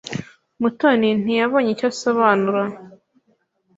Mutoni ntiyabonye icyo asobanura.